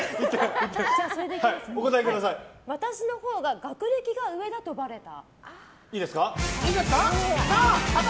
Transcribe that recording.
私のほうが学歴が上だとばれた。